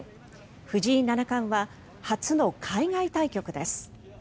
藤井七冠は初の海外対局です。